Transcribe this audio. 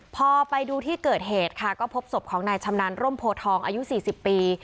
พอไปดูที่เกิดเหตุค่ะก็พบศพของนายชำนาญร่มโพทองอายุ๔๐ปี